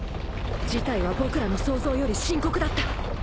事態は僕らの想像より深刻だった。